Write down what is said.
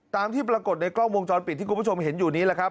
ตามที่ปรากฏในกล้องวงจรปิดที่คุณผู้ชมเห็นอยู่นี้แหละครับ